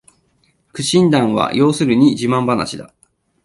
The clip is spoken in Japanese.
苦心談は要するに自慢ばなしだ